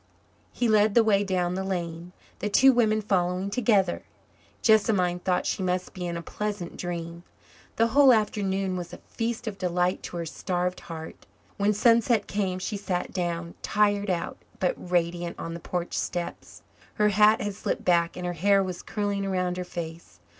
He led the way down the lane, the two women following together. Jessamine thought she must be in a pleasant dream. The whole afternoon was a feast of delight to her starved heart. When sunset came she sat down, tired out, but radiant, on the porch steps. Her hat had slipped back and her hair was curling around her face.